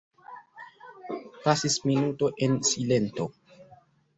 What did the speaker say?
Pasis minuto en silento.